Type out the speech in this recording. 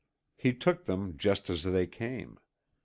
He took them just as they came.